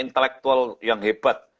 intelektual yang hebat